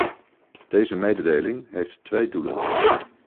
Deze mededeling heeft twee doelen.